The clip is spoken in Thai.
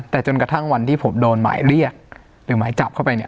แต่จนกระทั่งวันที่ผมโดนหมายเรียกหรือหมายจับเข้าไปเนี่ย